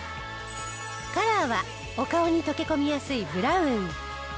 カラーはお顔に溶け込みやすいブラウン。